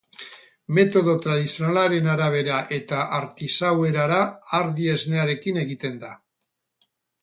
Metodo tradizionalaren arabera eta artisau erara ardi esnearekin egiten da.